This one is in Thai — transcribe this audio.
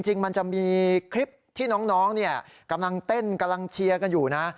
จริงมันจะมีคลิปที่น้องกำลังเต้นกำลังเชียร์กันอยู่นะ